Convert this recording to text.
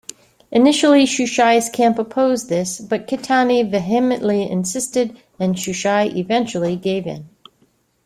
Initially, Shusai's camp opposed this, but Kitani vehemently insisted, and Shusai eventually gave in.